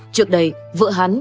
trước đây vợ hắn